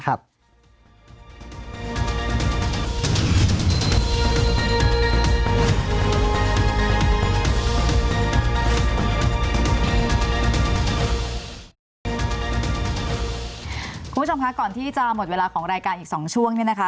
คุณผู้ชมคะก่อนที่จะหมดเวลาของรายการอีก๒ช่วงเนี่ยนะคะ